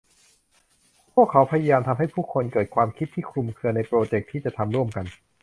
พวกเขาพยายามทำให้ผู้คนเกิดความคิดที่คลุมเครือในโปรเจคที่จะทำรวมกัน